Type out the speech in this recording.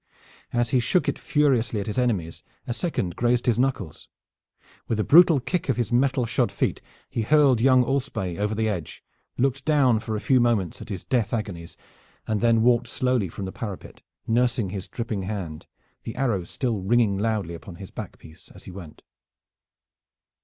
As he shook it furiously at his enemies a second grazed his knuckles. With a brutal kick of his metal shod feet he hurled young Alspaye over the edge, looked down for a few moments at his death agonies, and then walked slowly from the parapet, nursing his dripping hand, the arrows still ringing loudly upon his back piece as he went.